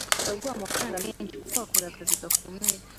Turaguha amafaranga menshi kuko wakoze akazi gakomeye.